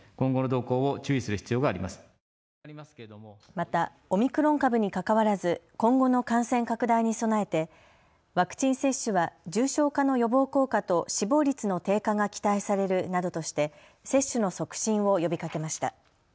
また、オミクロン株にかかわらず今後の感染拡大に備えてワクチン接種は重症化の予防効果と死亡率の低下が期待されるなどとして接種の促進を呼びかけました。